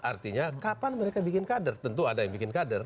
artinya kapan mereka bikin kader tentu ada yang bikin kader